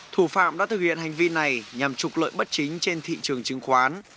thủ phạm đã thực hiện hành vi này nhằm trục lợi bất chính trên thị trường chứng khoán